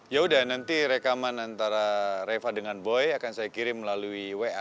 yaudah nanti rekaman antara reva dengan boy akan saya kirim melalui wa